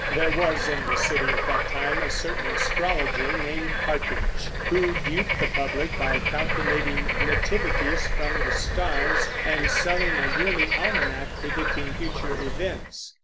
There was in the city at that time a certain astrologer named Partridge, who duped the public by calculating nativities from the stars, and by selling a yearly almanac predicting future events.